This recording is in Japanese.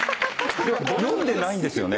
読んでないんですよね？